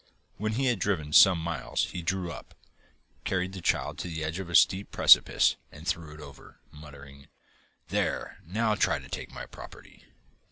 When he had driven some miles he drew up, carried the child to the edge of a steep precipice and threw it over, muttering, 'There, now try to take my property!